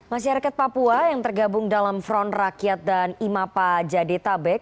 masyarakat papua yang tergabung dalam front rakyat dan imapa jadetabek